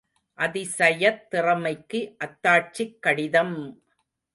அதிசயத் திறமைக்கு அத்தாட்சிக் கடிதம்!